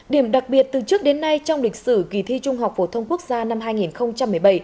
điểm đặc biệt từ trước đến nay trong lịch sử kỳ thi trung học phổ thông quốc gia năm hai nghìn một mươi bảy